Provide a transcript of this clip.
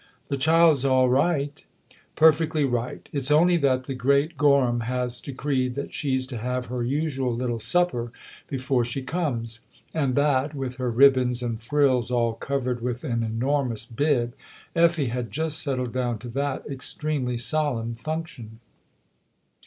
The child's all right ?"" Perfectly right. It's only that the great Gorham has decreed that she's to have her usual little supper before she comes, and that, with her ribbons and frills all covered with an enormous bib, Effie had just settled down to that extremely solemn function."